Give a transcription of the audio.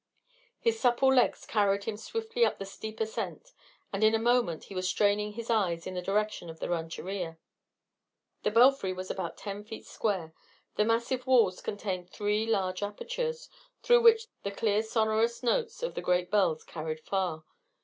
His supple legs carried him swiftly up the steep ascent, and in a moment he was straining his eyes in the direction of the rancheria. The belfry was about ten feet square. The massive walls contained three large apertures, through which the clear sonorous notes of the great bells carried far.